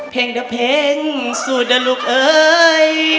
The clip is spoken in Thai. เพลงเด้อเพลงสู้เด้อลูกเอ้ย